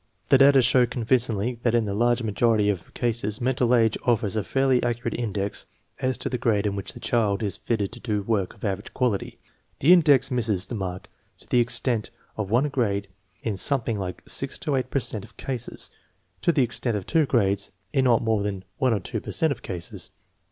The data show convincingly that in the large majority of cases mental age offers a fairly accu rate index as to the grade in which the child is fitted to do work of average quality. The index misses the mark to the extent of one grade in something like six to eight per cent of cases, to the extent of two grades in not more than one or two per cent of cases.